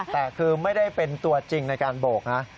แต่คือไม่ได้เป็นตัวจริงในการโบกนะ